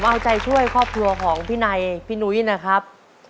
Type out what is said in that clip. เอาใจช่วยครอบครัวของพี่ไนพี่หนุ้ยนะครับ